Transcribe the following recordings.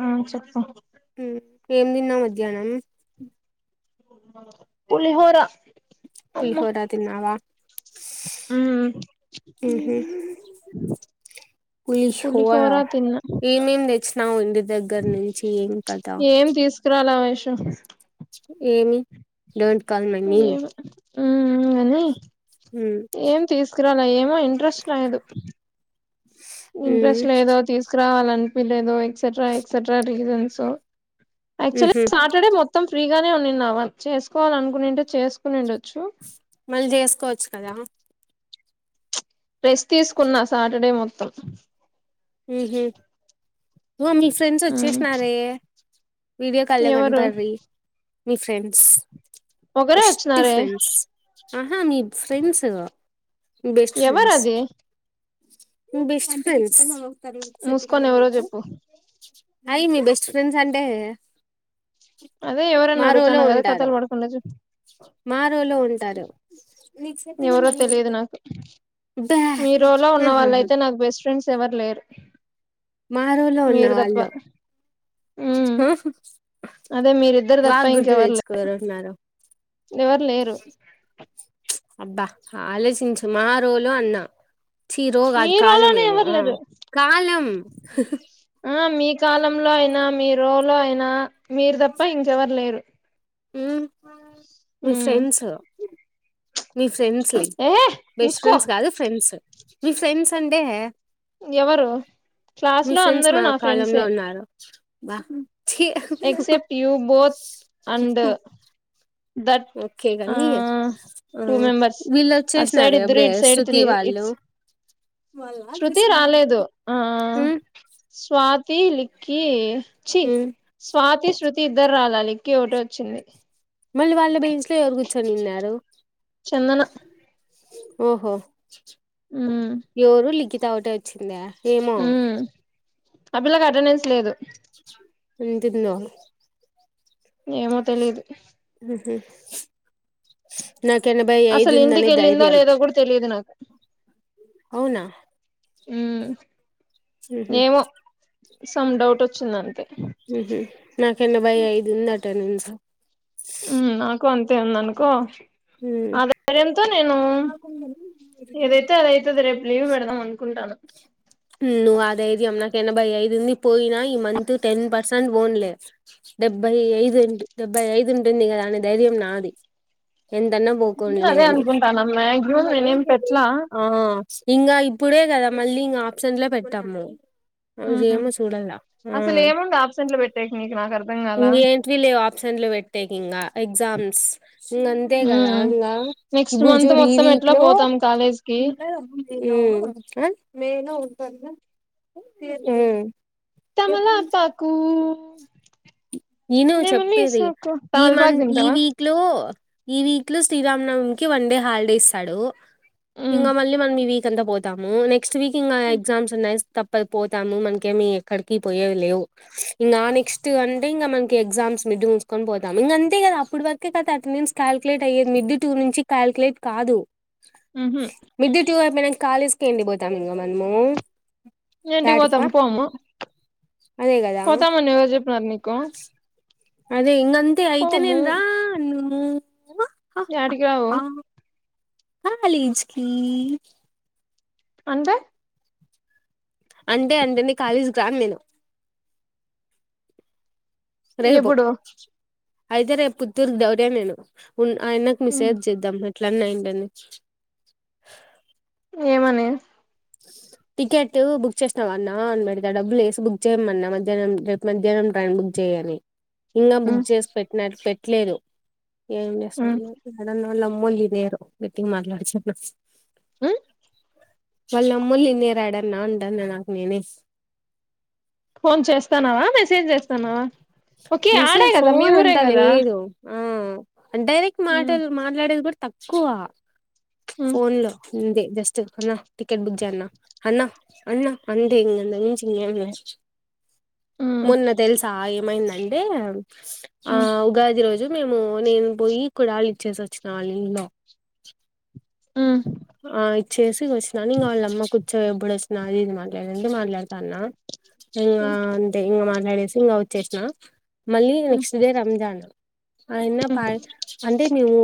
ఆ చెప్ప ఏం తిన్నాం మధ్యాహ్నం పులిహోరా పులిహోరా తిన్నావా ఉ ఉహు పులిహోర ఏమేం నచ్చినావు ఇంటి దగ్గర నుంచి ఏం కదా చెఫ్స్ కి ఏమి డోట్ కాల మీ ఉ ఉ గాని ఏం తీసుకురాలి ఏమో ఇంట్రెస్ట్ లేదు ఇంట్రెస్ట్ లేదో తీసుకురావాల అనిపలేదు ఎక్సెట్రా ఎక్సెట్రా రీజన్స్ యాక్చువల్లీ ఉహు సాటర్డే మొత్తం ఫ్రీగానే ఉందవా చేసుకోవాల అనుకునింటే చేసుకుని ఉండొచ్చు వాళ్ళ చేసుకోవచ్చు కదా రెస్ట్ తీసుకున్నా సాటర్డే మొత్తం ఉహ మీ ఫ్రెండ్స్ ఉమ్ వచ్చేసినారే వీడియో కాలే ఎవరు కనిపడీ మీ ఫ్రెండ్స్ ఒకరే బెస్ట్ వచ్చినారే ఫ్రెండ్స్ ఆహా మీ ఫ్రెండ్స్ బెస్ట్ ఫ్రెండ్స్ ఎవరది బెస్ట్ ఫ్రెండ్స్ మూసుకొని ఎవరో చెప్పు అయి మీ బెస్ట్ ఫ్రెండ్స్ అంటే అదే ఎవరనా అడుగుతానగ అదే కథాల్ పడకుండా చెప్పు మా రోలు ఉంటారు ఎవరో తెలియదు నాకు బ్యా మీ రోలో హహహ ఉన్నవాళ్ళైతే నాకు బెస్ట్ ఫ్రెండ్స్ ఎవరు లేరు మారో లో మీరు తప్ప ఉన్నవాళ్ళు ఉమ్ ఉ హు అదే మీరిద్దరు తప్ప గుర్తు ఇంకెవరు తెచ్చుకోరున్నారు ఎవరు లేరు అబ్బా ఆలోచించు మా రోలు అన్న మీ చీరోగాదు రోలోనే కాలమేమో ఎవరు ఆ లేరు కాలం ఆ మీ కాలంలో అయినా మీ రోలో అయినా మీరు తప్ప ఇంకెవరు లేరు మ్మ్ మీ ఉమ్ ఫ్రెండ్స్ మీ ఫ్రెండ్స్ ఏహే బెస్ట్ మూసుకో ఫ్రెండ్స్ కాదు ఫ్రెండ్స్ మీ ఫ్రెండ్స్ అంటే ఎవరు క్లాస్ మీ లో ఫ్రెండ్స్ అందరూ మా నా కాలంలో ఫ్రెండ్సే ఉన్నారు ఛీ except you but and that okay ఆ కాని టూ మెంబర్స్ వీళ్ళు అట్ సైడ్ వచ్చేసినారు ఇది అప్పుడే ఇట్ సైడ్ శృతి ఇ వాళ్ళు ఇట్స్ నో సౌండ్ శృతి రాలేదు ఆ మ్మ్ స్వాతి లిక్కకి చి మ్మ్ స్వాతి శ్రతి ఇద్దరు రాలే లిక్కి ఒకటి వచ్చింది మళ్ళీ వాళ్ళ బెంచ్ లో ఎవరు కూర్చొని విన్నారు చందన ఓహో ఉమ్ ఎవరు లిఖిత అ ఒకటే వచ్చింద ఏమో ఉమ్ ఆ పిల్లలకు అటెండెన్స్ లేదు ఏం తిన్నావ్ ఏమో తెలిదు ఉహు నాకేనభై ఐదు అసలు ఇంటికి ఉందని వెళ్ళిందో ధైర్యం, లేదో కూడా తెలియదు నాకు అవునా ఉమ్ ఉహు ఏమో సమ్ డౌట్ వచ్చిందంతే ఉహు నాకేనభై ఐదు ఉందట నింస తేందనుకో ఉమ్ ఆ ధైర్యంతో నేను ఏదైతే అదైతది రేపు లీవ్ పెడదాం అనుకుం టానా నువు ఆ ధైర్యం నా ఎనభై ఐదుంది పోయినా ఈ మంత్ టెన్ పర్సెంట్ ఓన్లే డెబ్బై ఐదు డెబ్ ఐదు ఉంటుంది కదా అనే ధైర్యం నాది ఎంతన్నా పోకోన్లే అదే అని అనుకుంటాను మాక్సిమం నేనేం పెట్లా ఆ ఇంగ ఇప్పుడే కదా మళ్ళీ ఇంగ ఆప్సెంట్లే పెట్టమ్ మేమ్ ఉమ్ ఓజేమ్ చూడల్లా అసలు ఏముంది ఆబ్సెంట్లు పెట్టేకి నీకు నాకు అర్థం కాల ఇంగ ఎంట్వి లేవ్ ఆప్సెంట్లు పెట్టేకింగ ఎగ్జామ్స్ ఇంగ తే కదా ఇంగా నెక్స్ట్ ఇప్పుడు మంత్ చూడు ఈ మొత్తం ఎట్లా వీక్లో పోతాం కాలేజ్ కి ఉమ్ అ ఉమ్ తమలాపాకు యిను చెప్పేది సోకు ఈ తమలపాకు మంత్ ఈ తింటావా వీక్ లో ఈ వీక్ లో శ్రీరామనవమి కి వన్ డే హాలిడే ఇస్తాడు ఉమ్ ఇంగ మళ్ళీ మనం ఈ వీక్ అంతా పోతాము నెక్స్ట్ వీక్ ఇంకా ఎగ్జామ్స్ ఉన్నాయి తప్ పద్ పోతాము మనకేమి ఎక్కడికి పోయేవి లేవు ఇంగా నెక్స్ట్ అన్ టే ఇంగ మనకి ఎగ్జామ్స్ మిడ్ ఉంచుకొని పోతాము ఇంగంతే కదా అప్పుటివరకే కదా అటెండెన్స్ కల్క్లేట్ అయ్యేది మిడ్ టూ నుంచి కల్క్లేట్ కాదు ఊహూ టూ ఏమైన కాలేజ్స్కి ఎండిపోతాము ఇంగ మనము మీ ఇంటికి యాటికిపా పోతము పోమ్మా అదే కదా పోతమని ఎవర్జెప్పినార్ నీకు అదే ఇంగంతే అయితే నేన్ రాను ఎడికి రావు కాలేజ్కి అంటే అంటే అంటే నీ కాళేజ్ కి రాను నేను రేపు ఎప్పుడు అయితే రేపుత్తూర్కి డౌటే నేను ఉన్ ఆయనకు మీసేజ్ చేద్దాం ఇట్లన్నయిండని ఏమని టికెట్ బుక్ చేసినావా అన్నా అని పెడతా, డబ్బులేసి బుక్ చేయమన్నా మధ్యాహ్నం రేపు మధ్యాహ్నం ట్రైన్ బుక్ చేయ్ గని ఇంగ బుక్ ఉమ్ చేసి పెట్టినా పెట్లేదు ఏం ఉమ్ చేస్తామో యాడన్న వాళ్ళమ్మోల్లీదేరు గట్టిగా మాట్లాడోచ్చన్న ఉమ్ వాళ్ళమ్మోలిన్నేరాడన్నా అంటాన్న నాక్ నేనే ఫోన్ చేస్తాన్నావా మెసేజ్ చేస్తాన్నావా ఓకే మిసే ఆడే కదా మీ ఫోన్ ఊరే అంతా కదా లేదు ఆ అంటే నీక్ ఉమ్ మాటల్ మాట్లాడేది కూడా తక్కువ, ఉమ్ ఫోన్ లో ఇందే జస్టు అనా టికెట్ బుక్ చేయ్యన్నా అన్నా అన్నా అంటే ఇంగ [unintelligible] ఉమ్ మొన్న తెలుసా ఏమైందంటే, ఆ ఉమ్ ఉగాది రోజు మేము నేను పోయి కూడాలు ఇచ్చేసి వచ్చినా వాళ్ళ ఇండ్లో ఉమ్ ఆ ఇచ్చేసి వచ్చినాను ఇంగ వాళ్ళమ్మ కూర్చో ఎప్పుడు వచ్చిన అది ఇది మాట్లాడింది మాట్లాడతాన్నా ఇంగ ఉమ్ అంతే ఇంగ మాట్లాడేసి ఇంగ వచ్చేసిన మళ్ళీ నెక్స్ట్ డే రంజాన్ అయన్న ఉమ్ పా అంటే మేము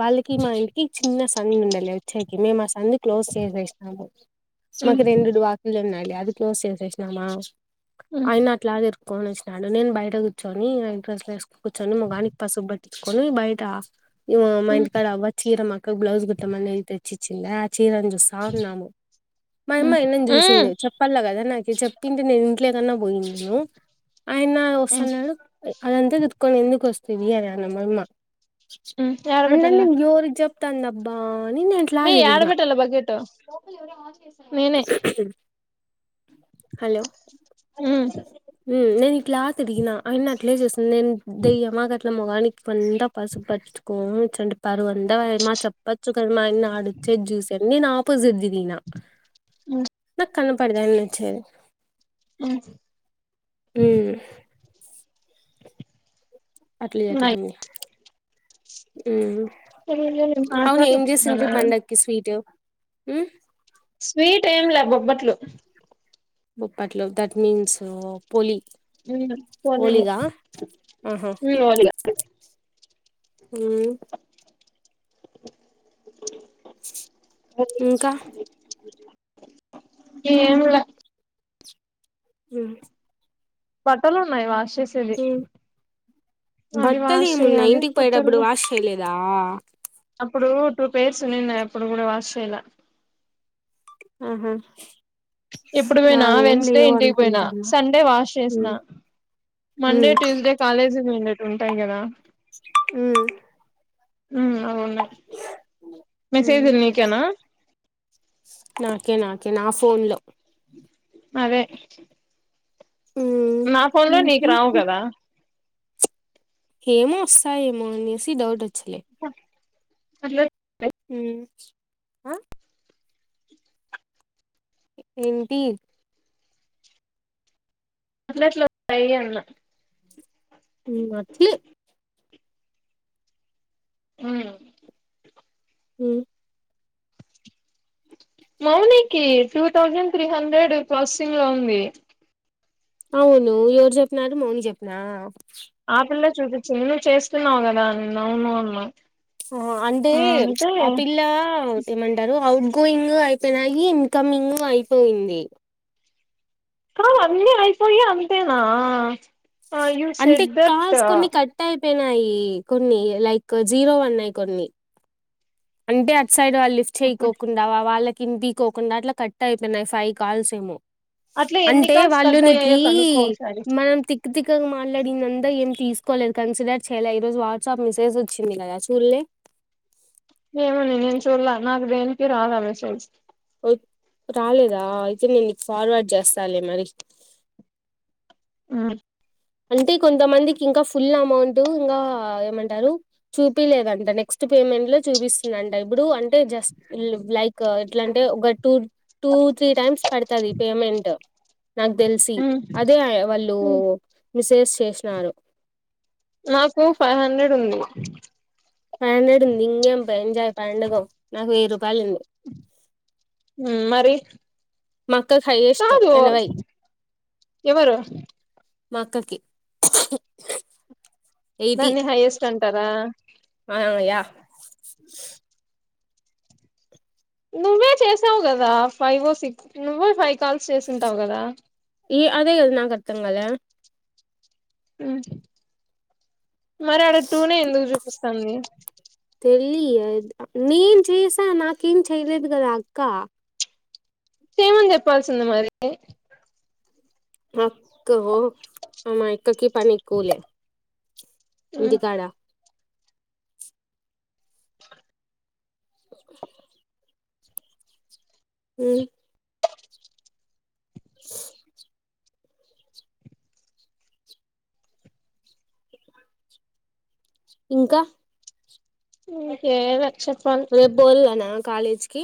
వాళ్ళకి మా ఇంటికి ఇచ్ చిన్న సందు ఉండలే వచ్చేకి మేము ఆ సందు క్లోజ్ చేసేసినాము మాకు ఉమ్ రెండు వాకిలు ఉన్నాయి లే అది క్లోజ్ చేసేసినామా ఉమ్ ఆయన్న అట్లా తిరుకోని వచ్చినాడు నేను బయట కూర్చొని నైట్ డ్రెస్ ఎస్ కూర్చొని మోగనికి పసుపు పాటించుకొని బయట ఇగో మా ఉమ్ ఇంటి కాడ అవ్వ చీర మా ఒక బ్లౌజ్ కుట్టమని తెచ్చిచ్చిందచ్ చీరన్ని చూస్తా ఉన్నాము మా అమ్మా ఉమ్ ఆయన్న న్ని చూసింది ఉమ్ చెప్పల్లా కదా నాకి యి చెప్పింటే నేను ఇంట్లో కన్నా పోయిందును ఆయన్న ఉమ్ వస్తున్నాడు అదంతా తిరుగుకొని ఎందుకు వస్తువి అని అన మాయమ్మ ఉమ్ యాడబెట్టల్ల అందరిని ఎవరికీ చెప్తాంది అబ్బా అని నే మే యాడ పెట్టాలా బకెటు నేనే హలో ఉమ్ హ్మ్ నేను ఇట్లా తిరిగిన ఆయన్న అట్లే చూసిన్ నేను దెయ్యమా కట్ల మోగాని పసుపు అంత పసుపు పాటించుకొని కూర్చోంటి పరువు అంత పాయ మా చెప్పచు కదా మా అయన్న ఆడ వచ్చేది చూసినా నేను ఆపోజిట్ తిరిగిన ఉమ్ న కనపడదు అయన్న వచ్చేది అ హ్మ్ అట్ల ఉన్నాయి జరిగింది హ్మ్ అవును ఏం చేసింరి పండగకి స్వీట్ హ్మ్ స్వీట్ ఏం లే బొబ్బట్లు బొబ్బట్లు దాట్ మీన్స్ పోలి హ్మ్ పోలీలు పోలిగా హ్మ్ ఓలిగా హ్మ్ ఇంకా ఏం లా హ్మ్ బట్టలు ఉన్నాయి వాష్ చేసేది ఉమ్ అది బట్టలు వాష్ ఏమున్నాయి చేయాలి ఇంటికి పోయేటప్పుడు కుత్తరుగు వాష్ చేయలేదా అప్పుడు టూ పేర్స్ ఉనినాయ్ అప్పుడు కూడా వాష్ చేయాలా ఆహా ఇప్పుడు పోయినా నావేం వెన్స్డే లేవు ఇంటికి పోయినా అనుకుంటాన్న సండే వాష్ చేసినా ఉమ్ మండే ఉమ్ ట్యూస్డే కాలేజ్ పోయిండేవి ఉంటాయి కదా హ్మ్ హ్మ్ అవి ఉన్నాయ్ మెసేజ్ ఉమ్ లు నికేనా ఎ నా ఫోన్ లో అవె ఉమ్ నా ఫోన్ లో నీకు ఉహు రావు కదా ఏమో వస్తాయేమో అనేసి డౌట్ వచ్చింది అట్లే పె హ్మ్ అ ఏంటి అట్ల ఎట్ల ఉంటాయి అన్న హ్మ్ అట్లే మ్మ్ మ్మ్ మౌనీకి two thousand three hundred crossing లో ఉంది అవును ఎవరు చెప్పనారు మౌని చెప్పనా చూించ్ చేస్తున్నావు కదా న అవును అవును ఆ అంటే ఆ పిల్ల ఏమంటారు అఔట్ గోయింగ్ అయిపోయినాయి ఇన్కమింగ్ అయిపోయింది కా అన్నీ అయిపోయి అంతేనా యూ అంటే సెడ్ దట్ కాల్స్ కొన్ని కట్టాయి యినాయి కొన్ని లైక్ జీరో వన్నాయి కొన్ని అంటే అటు సైడ్ వాళ్ళు లిఫ్ట్ ఓకే చేయకోకుండావా వాళ్ళకి కింది కోక దడాట్లా కట్ అయిపోయియి ఫైవ్ కాల్స్ ఏమో అట్లా ఎన్ని అంటే కాల్స్ కట్ వాళ్ళునికి అయ్యాయో కనుక్కో ఒకసారి మనం తిక్ తక్ మాట్లాడింద అంతా ఏం తీసుకోలేదు కన్సిడర్ చేయాల ఈ రోజు వాట్సాప్ మెసేజ్ వచ్చింది కదా చూల్లే ఏమని నేను చూల్ నాకు దేనికి రాాలనే సల్ రాలేదా అయితే నేను ఫార్వర్డ్ చేస్తాను మరి ఆ అంటే కొంతమందికి ఇంకా ఫుల్ అమౌంట్ ఇంకా ఏమంటారు చూపిలేదంట నెక్స్ట్ పేమెంట్ లో చూపిస్తుందింట ఇప్పుడు అంటే జస్ట్ లైక్ ఎట్లా అంటే ఒక టూ టూ త్రీ టైమ్స్ పడుతుది పేమెంట్ నాకు తెలిసి అదే వాళ్ళు మిసేజ్ చేసినారు నాకు ఫైవ్ హండ్రెడ్ ఉంది పండడు నింగేంజాయి పండగం నాకు వేరు మరి మక్క కై ఇష్టం కాదు ఎనవై ఎవరు మక్కకి నన్నే హైయెస్ట్ అంటారా అయ నువ్వే చేసావు కదా ఫైవ్ ఓ సిక్స్ నువ్వే ఫైవ్ కాల్స్ చేసింటావు కదా ఏ అదే ఎదునా కతుంగ మరి ఆడ టూనే ఎందుకు చూపిస్తాంది తెలియ నేను చేసా నాకేం చెయలేదు కద అక్క సేమంది చెప్పాల్సింద మరి అక్క అమాయి క్కకి పనికు లే దగాడా మ్మ్మ్మ్ ఇంకా కే రక్షత్ రేపు బల్నా కాలేజ్ కి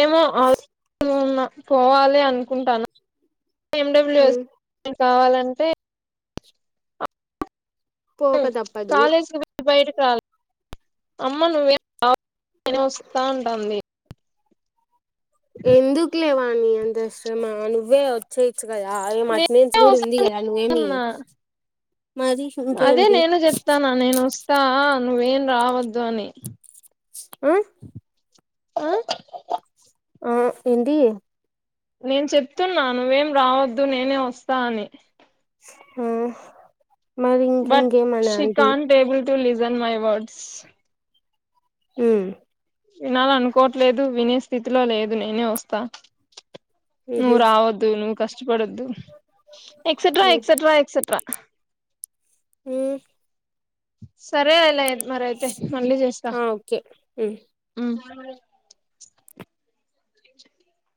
ఏమో ఆ పోవాలి అనుకుంటాను ఎడబ్ల్యూస్ ఉమ్, కావాలంటే పోక తప్పదు బయట అమ్మ నువ్వే వస్తా ఉంటుంది ఎందుకు లేవా నీ అంతాశ్రమా నువ్వే వచ్చేయి చ్చ కదా ఏం అట నుంచి నేనే కూడా ఉంది కదా నువ్వేమి వస్తాన్నా మరి అదే ఇంకేంటి నేను చెప్తాను నేను వస్తా నువ్వేం రావద్దు అని ఆ ఆ ఆ ఏంటిీ నేను చెప్తున్నా నువ్వేం రావద్దు నేనే వస్తా అని ఆ మరి ఇంక బట్ ఇంకేమనా aunty she can't able to ిజన్ my words హ వినాల అనుకోవట్లేదు వినే స్థితిలో లేదు నేనే వస్తా ఉహు, నువర్వద్దు నువ కష్టపడద్దు ఎక్సెట్రా ఎక్సెట్రా ఎక్సెట్రా ఈ సరే అలా మరి అయితే మళ్ళీ చేస్తా ఆ ఓకే ఉమ్. అ